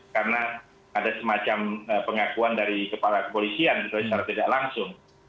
karena ada semacam pengakuan dari kepolisian secara tidak langsung